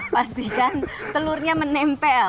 pastikan telurnya menempel